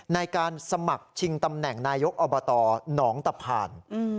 ในการสมัครชิงตำแหน่งนายกอบตหนองตะพาน